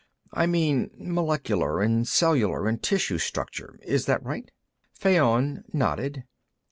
I mean molecular and cellular and tissue structure. Is that right?" Fayon nodded.